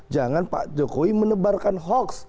jangan pak jokowi menebarkan hoax